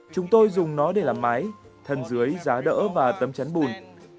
chúng tôi dùng nó để làm mái thân dưới giá đỡ và tấm chắn bùn